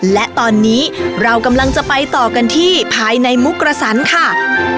และตอนนี้เรากำลังจะไปต่อกันที่ภายในมุกกระสันค่ะ